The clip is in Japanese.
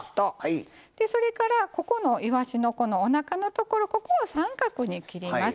それからここのいわしのおなかのところここを三角に切ります。